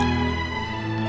nih hidup nanti ya